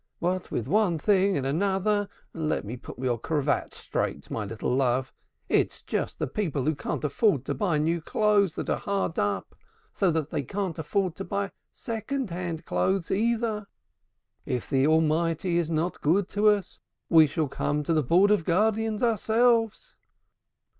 What with one thing and another (let me put your cravat straight, my little love), it's just the people who can't afford to buy new clothes that are hard up, so that they can't afford to buy second hand clothes either. If the Almighty is not good to us, we shall come to the Board of Guardians ourselves."